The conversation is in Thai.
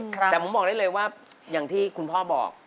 แต่ผมบอกได้เลยว่าอย่างที่คุณพ่อบอก